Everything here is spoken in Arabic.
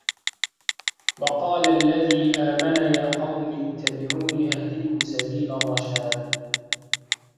وَقالَ الَّذي آمَنَ يا قَومِ اتَّبِعونِ أَهدِكُم سَبيلَ الرَّشادِ